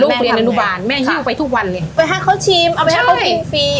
เรียนอนุบาลแม่ฮิ้วไปทุกวันเลยไปให้เขาชิมเอาไปให้เขากินฟรี